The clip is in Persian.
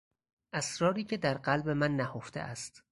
اسراری که در قلب من نهفته است